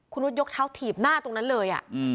เขาถีบหน้าตรงนั้นเลยอะ